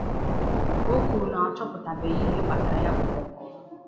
O kwùrù na a chọpụtabeghị ihe kpatara ya bụ ọkụ